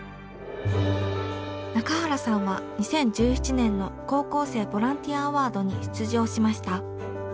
中原さんは２０１７年の高校生ボランティアアワードに出場しました。